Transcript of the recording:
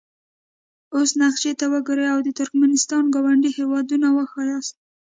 اوس نقشې ته وګورئ او د ترکمنستان ګاونډي هیوادونه وښایاست.